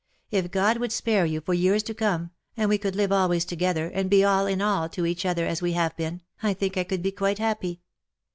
If God would spare you for years to come, and we could live always together, and be all in all to each other as we have been, I think I could be quite happy.